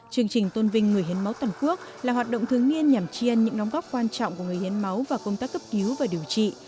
chương trình tôn vinh người hiến máu toàn quốc là hoạt động thường niên nhằm chiên những nóng góc quan trọng của người hiến máu và công tác cấp cứu và điều trị